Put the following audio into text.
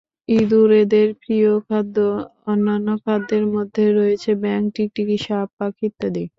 ইঁদুর এদের প্রিয় খাদ্য; অন্যান্য খাদ্যের মধ্যে রয়েছে ব্যাঙ, টিকটিকি, সাপ, পাখি ইত্যাদি।